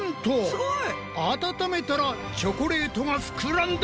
すごい！温めたらチョコレートがふくらんだ！